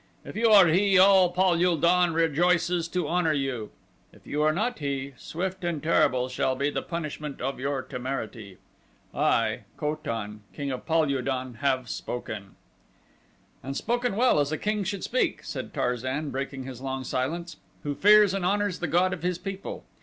If you are he, all Pal ul don rejoices to honor you; if you are not he, swift and terrible shall be the punishment of your temerity. I, Ko tan, King of Pal ul don, have spoken." "And spoken well, as a king should speak," said Tarzan, breaking his long silence, "who fears and honors the god of his people.